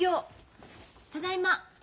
ただいま。